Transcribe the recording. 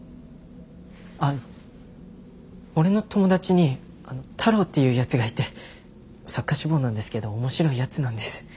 あっ俺の友達に太郎っていうやつがいて作家志望なんですけど面白いやつなんです。